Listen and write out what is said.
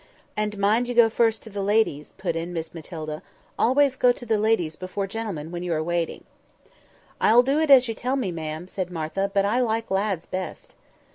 "And mind you go first to the ladies," put in Miss Matilda. "Always go to the ladies before gentlemen when you are waiting." "I'll do it as you tell me, ma'am," said Martha; "but I like lads best."